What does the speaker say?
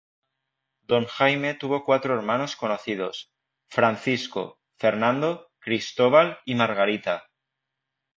Don Jaime tuvo cuatro hermanos conocidos: Francisco, Fernando, Cristóbal y Margarita.